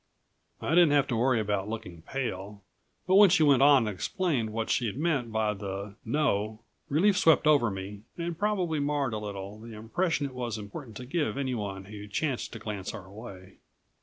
I didn't have to worry about looking pale, but when she went on and explained what she'd meant by the "no" relief swept over me and probably marred a little the impression it was important to give anyone who chanced to glance our way.